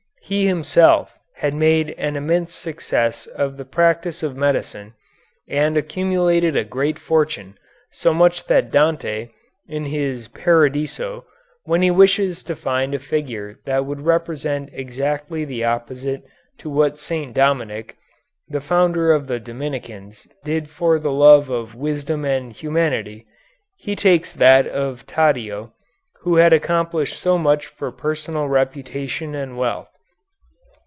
He himself had made an immense success of the practice of medicine, and accumulated a great fortune, so much so that Dante, in his "Paradiso," when he wishes to find a figure that would represent exactly the opposite to what St. Dominic, the founder of the Dominicans, did for the love of wisdom and humanity, he takes that of Taddeo, who had accomplished so much for personal reputation and wealth.